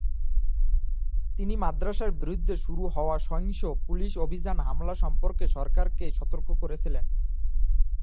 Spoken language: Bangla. তিনি মাদ্রাসার বিরুদ্ধে শুরু হওয়া সহিংস পুলিশ অভিযান হামলা সম্পর্কে সরকারকে সতর্ক করেছিলেন।